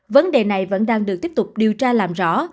vấn đề này vẫn đang được tiếp tục điều tra làm rõ